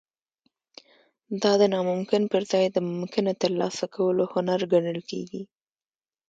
دا د ناممکن پرځای د ممکنه ترلاسه کولو هنر ګڼل کیږي